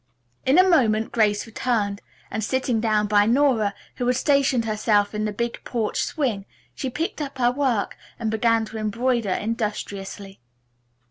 In a moment Grace returned, and sitting down by Nora, who had stationed herself in the big porch swing, she picked up her work and began to embroider industriously.